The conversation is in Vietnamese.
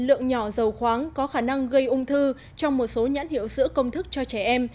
lượng nhỏ dầu khoáng có khả năng gây ung thư trong một số nhãn hiệu sữa công thức cho trẻ em